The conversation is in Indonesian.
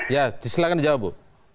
ya silahkan dijawab bu